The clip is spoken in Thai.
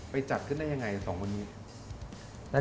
จัดขึ้นได้ยังไงสองคนนี้